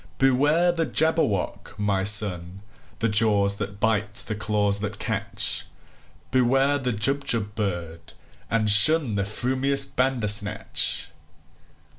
"Beware the Jabberwock, my son! The jaws that bite, the claws that catch! Beware the Jubjub bird, and shunThe frumious Bandersnatch!"